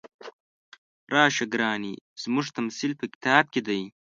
راشه ګرانې زموږ تمثیل په کتاب کې دی.